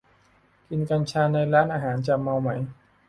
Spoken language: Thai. กินกัญชาในอาหารจะเมาไหม